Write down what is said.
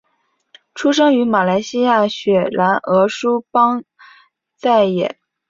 出生于马来西亚雪兰莪梳邦再也。